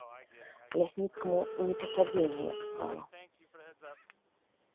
Лясніцкаму не па сабе неяк стала.